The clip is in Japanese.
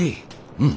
うん！